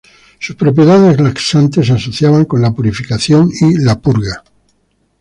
Sus propiedades laxantes se asociaban con la purificación y la purga.